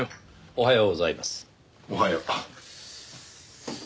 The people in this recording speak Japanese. おはよう。